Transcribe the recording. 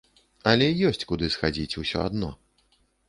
Але ёсць куды схадзіць усё адно.